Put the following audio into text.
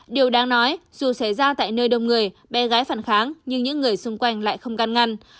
điều đáng nói dù xảy ra tại nơi đông người bé gái phản kháng nhưng những người xung quanh lại không gan ngăn